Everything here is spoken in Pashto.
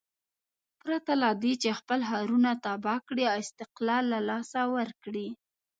پرته له دې چې خپل ښارونه تباه کړي او استقلال له لاسه ورکړي.